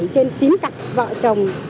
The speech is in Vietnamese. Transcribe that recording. bảy trên chín cặp vợ chồng